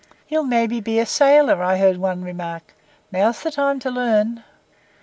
'He'll maybe be a sailor,' I heard one remark; 'now's the time to learn.